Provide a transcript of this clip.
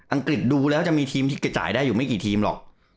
กฤษดูแล้วจะมีทีมที่กระจ่ายได้อยู่ไม่กี่ทีมหรอก